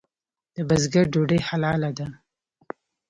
د بزګر ډوډۍ حلاله ده؟